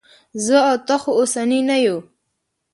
زه او ته خو اوسني نه یو.